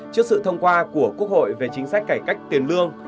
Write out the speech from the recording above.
trước sự thông qua của quốc hội về chính sách cải cách tiền lương